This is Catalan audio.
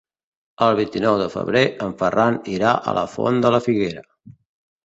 El vint-i-nou de febrer en Ferran irà a la Font de la Figuera.